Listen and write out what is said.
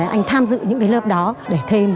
anh tham dự những lớp đó để thêm